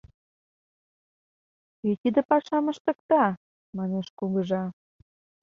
— Кӧ тиде пашам ыштыкта? — манеш кугыжа.